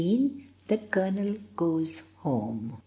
"THE COLONEL GOES HOME."